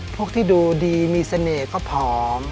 พวกที่ดูดีมีเสน่ห์ก็ผอม